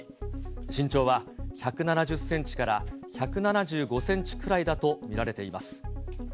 身長は１７０センチから１７５センチくらいだと見られています。